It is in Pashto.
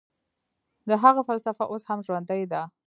د هغه فلسفه اوس هم ژوندۍ ده.